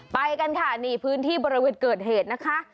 ไปกันค่ะนี่พื้นที่บริเวณเกิดเหตุนะคะ